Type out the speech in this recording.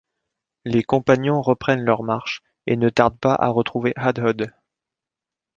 Les compagnons reprennent leur marche et ne tardent pas à retrouver Hadhod.